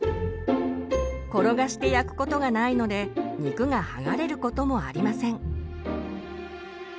転がして焼くことがないので肉が剥がれることもありません。